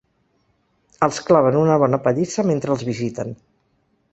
Els claven una bona pallissa mentre els visiten.